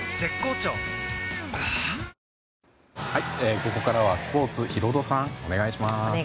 ここからはスポーツヒロドさん、お願いします。